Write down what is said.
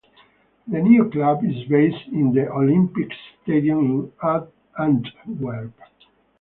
The new club is based in the Olympisch Stadion in Antwerp.